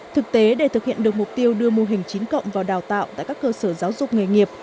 thực tế để thực hiện được mục tiêu đưa mô hình chín cộng vào đào tạo tại các cơ sở giáo dục nghề nghiệp